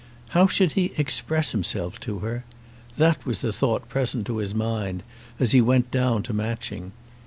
How should he express himself to her? That was the thought present to his mind as he went down to Matching.